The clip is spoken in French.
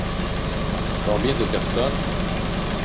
Combien de personnes ?